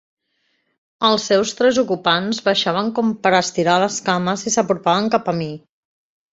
Els seus tres ocupants baixaven com per estirar les cames i s'apropaven cap a mi.